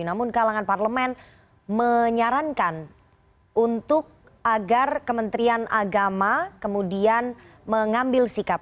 namun kalangan parlemen menyarankan untuk agar kementerian agama kemudian mengambil sikap